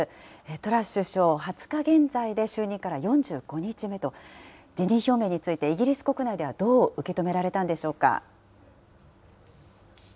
トラス首相、２０日現在で就任から４５日目と、辞任表明について、イギリス国内ではどう受け止められたんでしょうか。